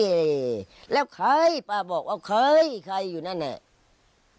โหเฮ้ยแล้วใครป้าบอกว่าใครใครอยู่นั่นเนี่ย